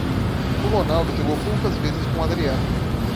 O Ronaldo jogou poucas vezes com o Adriano.